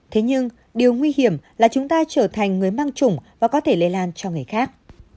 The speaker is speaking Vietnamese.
thế nhưng điều nguy hiểm là chúng ta trở thành người mang chủng và có thể lây lan cho người khác